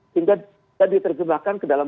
hingga diterjemahkan ke dalam